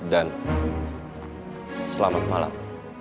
dan selamat malam